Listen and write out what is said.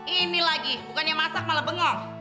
ini lagi bukannya masak malah bengong